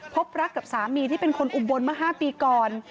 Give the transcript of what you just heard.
พบรักกับสามีที่เป็นคนอุบลมา๕ปีก่อน